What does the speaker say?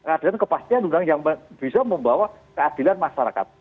ada kepastian undang yang bisa membawa keadilan masyarakat